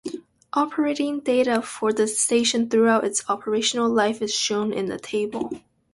Operating data for the station throughout its operational life is shown in the table.